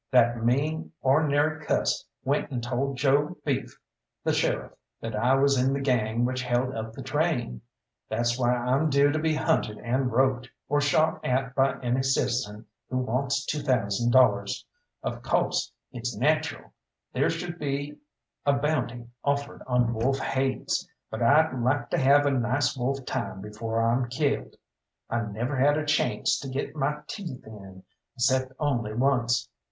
That mean, or'nary cuss went and told Joe Beef, the sheriff, that I was in the gang which held up the train. That's why I'm due to be hunted and roped, or shot at by any citizen who wants two thousand dollars. Of co'se, it's nacheral there should be a bounty offered on wolf haids, but I'd like to have a nice wolf time before I'm killed. I never had a chance to get my teeth in, 'cept only once.